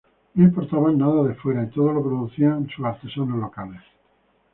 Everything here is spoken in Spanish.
No importaban nada de fuera, y todo lo producían sus artesanos locales.